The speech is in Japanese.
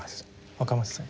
若松さん